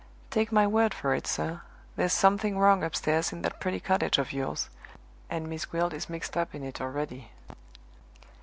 Take my word for it, sir, there's something wrong upstairs in that pretty cottage of yours; and Miss Gwilt is mixed up in it already!"